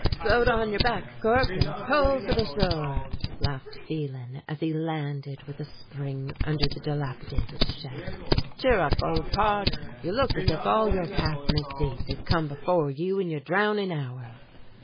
"Float on your back, Corp, and pull for the shore!" laughed Phelan as he landed with a spring under the dilapidated shed. "Cheer up, old pard; you look as if all your past misdeeds had come before you in your drowning hour."